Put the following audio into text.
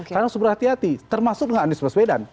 karena harus berhati hati termasuk dengan anies maswedan